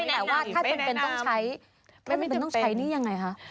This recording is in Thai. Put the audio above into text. แต่ว่าถ้าจำเป็นต้องใช้ไม่จำเป็นต้องใช้หนี้ยังไงคะ